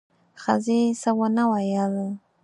ښځې څه ونه ویل: